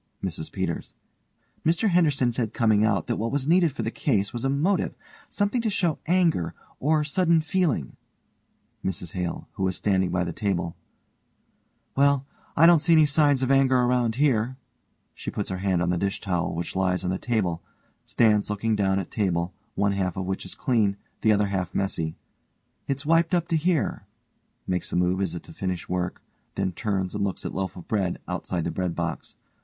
MRS PETERS: Mr Henderson said coming out that what was needed for the case was a motive; something to show anger, or sudden feeling. MRS HALE: (who is standing by the table) Well, I don't see any signs of anger around here, (_she puts her hand on the dish towel which lies on the table, stands looking down at table, one half of which is clean, the other half messy_) It's wiped to here, (_makes a move as if to finish work, then turns and looks at loaf of bread outside the breadbox.